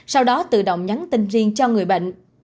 sau đó tự động nhắn tin riêng cho người bệnh